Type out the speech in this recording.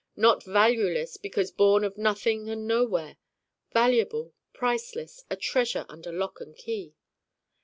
not valueless because born of nothing and nowhere: valuable, priceless, a treasure under lock and key.